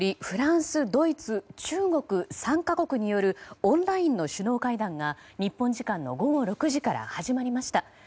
フランス、ドイツ、中国３か国によるオンラインの首脳会談が日本時間の午後６時から始まりました。